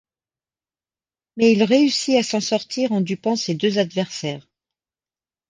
Mais il réussit à s'en sortir en dupant ses deux adversaires.